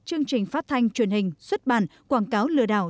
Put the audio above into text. chương trình phát thanh truyền hình xuất bản quảng cáo lừa đảo